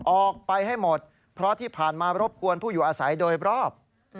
ออกไปให้หมดเพราะที่ผ่านมารบกวนผู้อยู่อาศัยโดยรอบ